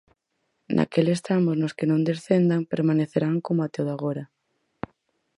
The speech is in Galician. Naqueles tramos nos que non descendan, permanecerán como até o de agora.